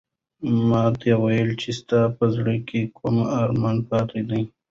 ما ته وایه چې ستا په زړه کې کوم ارمان پاتې دی؟